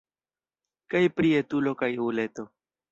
Kaj pri etulo kaj uleto..